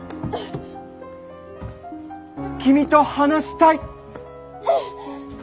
・君と話したいッ！